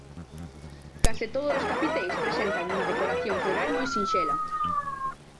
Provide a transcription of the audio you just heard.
Case todos os capiteis presentan unha decoración floral moi sinxela.